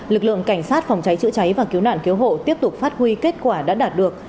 lực lượng cảnh sát phòng cháy chữa cháy và cứu nạn cứu hộ tiếp tục phát huy kết quả đã đạt được